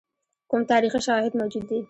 کوم تاریخي شواهد موجود دي.